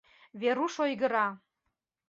Веруш ойгыра.